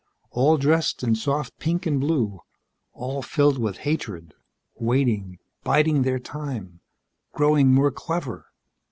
"All dressed in soft pink and blue, all filled with hatred. Waiting, biding their time, growing more clever."